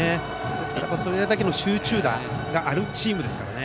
ですからそれだけの集中打があるチームですからね